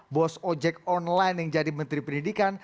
bos ojek online yang jadi menteri pendidikan